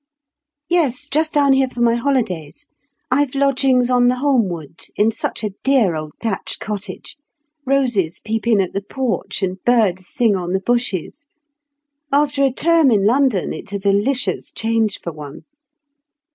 "Yes, just down here for my holidays. I've lodgings on the Holmwood, in such a dear old thatched cottage; roses peep in at the porch, and birds sing on the bushes. After a term in London, it's a delicious change for one."